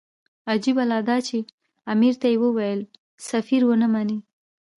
عجیبه لا دا چې امیر ته یې وویل سفیر ونه مني.